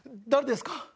誰ですか？